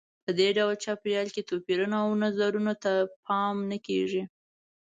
په دې ډول چاپېریال کې توپیرونو او نظرونو ته پام نه کیږي.